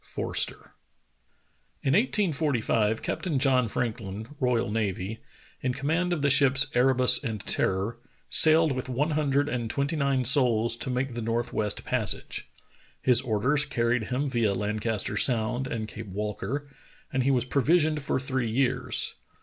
— Forster. IN 1845 Captain John Franklin, royal navy, in com mand of the ships Erebus and Terror, sailed with one hundred and twenty nine souls to make the northwest passage. His orders carried him via Lan caster Sound and Cape Walker, and he was provisioned for three years.